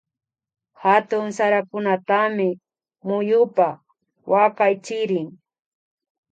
Hatun sarakunatami muyupa wakaychirin